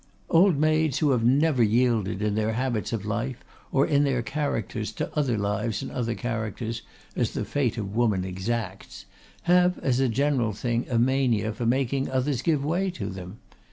Old maids who have never yielded in their habits of life or in their characters to other lives and other characters, as the fate of woman exacts, have, as a general thing, a mania for making others give way to them.